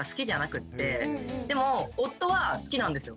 でも夫は好きなんですよ